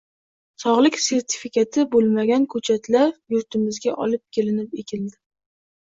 Sog'lik sertifikati bo'lmagan ko'chatlar yurtimizga olib kelinib, ekiladi